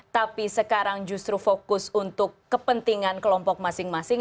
tapi sekarang justru fokus untuk kepentingan kelompok masing masing